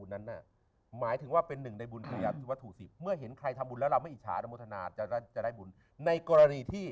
แน้นท์ว่าเวลาที่เราเห็นคนทำบุญทำผู้ส่วนแล้วเราซ้าถุด้วย